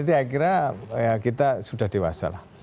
nah ini akhirnya kita sudah dewasa lah